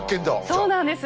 そうなんです。